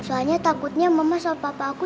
soalnya takutnya mama sama papa aku